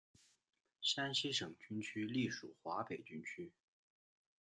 山西省军区隶属华北军区。